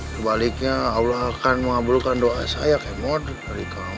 kebaliknya allah akan mengabulkan doa saya kayak model dari kamu